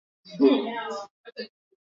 Wanawake wa Kimasai Wao wanazungumza Maa